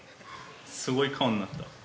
すごい顔になった。